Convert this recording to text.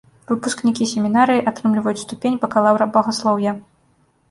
Выпускнікі семінарыі атрымліваюць ступень бакалаўра багаслоўя.